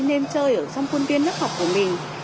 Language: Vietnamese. nên chơi ở trong khuôn viên lớp học của mình